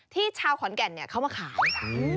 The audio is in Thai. ที่ชาวขอนแก่นเข้ามาขาย